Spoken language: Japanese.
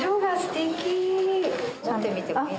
持ってみてもいい？